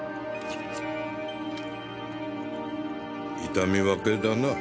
痛み分けだな。